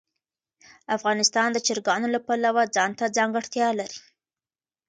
افغانستان د چرګانو له پلوه ځانته ځانګړتیا لري.